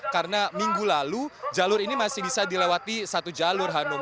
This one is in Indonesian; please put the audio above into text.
karena minggu lalu jalur ini masih bisa dilewati satu jalur hanum